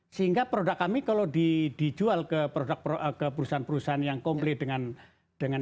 sehingga produk kami kalau dijual ke perusahaan perusahaan yang komplain dengan